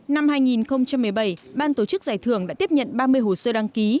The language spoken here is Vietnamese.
năm hai nghìn một mươi bảy ban tổ chức giải thưởng đã tiếp nhận ba mươi hồ sơ đăng ký